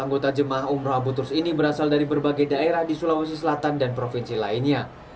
anggota jemaah umroh abu turs ini berasal dari berbagai daerah di sulawesi selatan dan provinsi lainnya